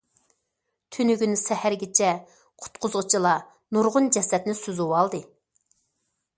تۈنۈگۈن سەھەرگىچە، قۇتقۇزغۇچىلار نۇرغۇن جەسەتنى سۈزۈۋالدى.